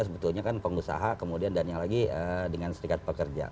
sebetulnya kan pengusaha kemudian dan yang lagi dengan serikat pekerja